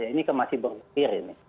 ini masih bergulir ini